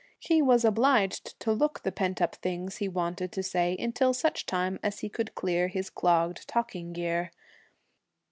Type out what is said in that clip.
He was obliged to look the pent up things he wanted to say, until such time as he could clear his clogged talking gear.